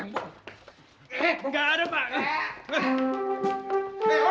bapak jangan bohong